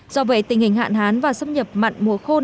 do vậy tình hình hạn hán và sắp nhận được nhiều thông tin